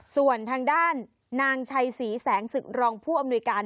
ส่วนทางด้านนางชัยศรีแสงศึกรองผู้อำนวยการ